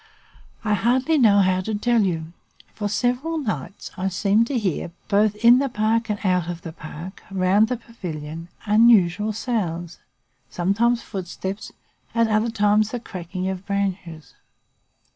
I hardly know how to tell you. For several nights, I seemed to hear, both in the park and out of the park, round the pavilion, unusual sounds, sometimes footsteps, at other times the cracking of branches.